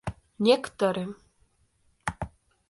некоторым